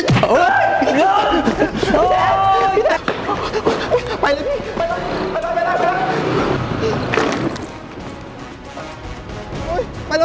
ไปเลยพี่ไปแล้ว